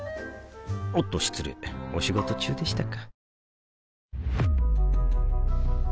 おっと失礼お仕事中でしたか